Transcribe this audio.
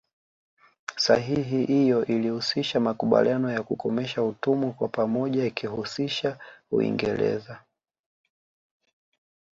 Sahihi iyo ilihusisha makubaliano ya kukomesha utumwa kwa pamoja ikiihusisha Uingereza